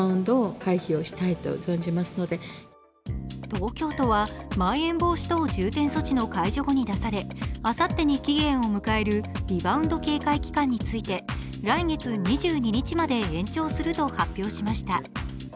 東京都はまん延防止等重点措置の解除後に出されあさってに期限を迎えるリバウンド警戒期間について来月２２日まで延長すると発表しました。